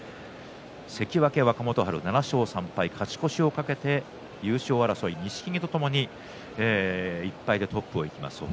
関脇若元春、７勝３敗勝ち越しを懸けて優勝争い錦木とともに１敗でトップをいきます